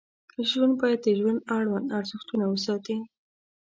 ژوند باید د ژوند اړوند ارزښتونه وساتي.